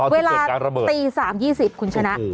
เวลาตี๓๒๐คุณชนะ